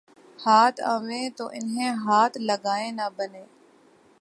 ہاتھ آویں تو انہیں ہاتھ لگائے نہ بنے